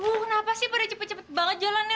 bu kenapa sih pada cepet cepet banget jalan ya